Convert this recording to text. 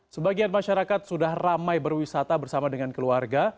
sebagian masyarakat sudah ramai berwisata bersama dengan keluarga